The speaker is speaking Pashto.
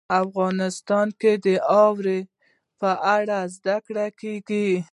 افغانستان کې د اوړي په اړه زده کړه کېږي.